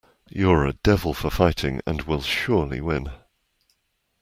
You're a devil for fighting, and will surely win.